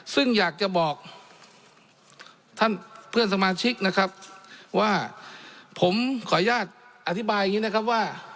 ซึ่งอยากจะบอกท่านเพื่อนสมาชิกนะครับว่าผมขออนุญาตอธิบายอย่างนี้นะครับว่า